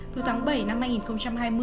từ tháng bảy năm hai nghìn hai mươi